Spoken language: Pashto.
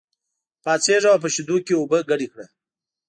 پاڅېږه او په شېدو کې اوبه ګډې کړه.